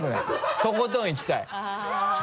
とことんいきたい。